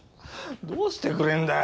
どうしてくれんだよ！